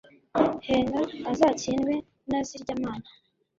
henga azatsindwe na zirya mana